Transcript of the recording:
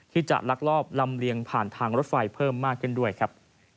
ที่จะลักลอบลำเลียงผ่านทางรถไฟเพิ่มมากขึ้นด้วยครับ